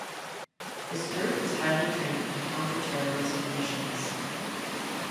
This group is highly trained in counter-terrorism missions.